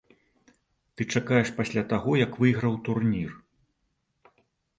Ты чакаеш пасля таго, як выйграў турнір.